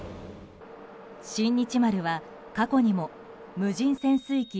「新日丸」は過去にも無人潜水探査機